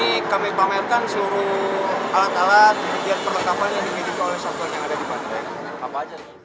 di sini kami pamerkan seluruh alat alat setiap perlengkapan yang digedikan oleh satuan yang ada di bandung